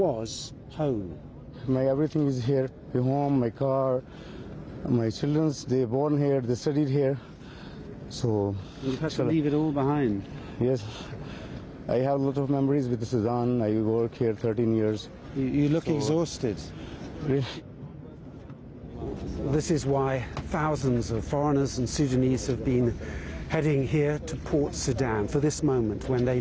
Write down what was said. はい。